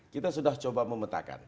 kita sudah coba memetakan